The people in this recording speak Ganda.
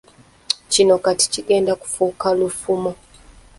Kino kati kigenda kufuuka lufumo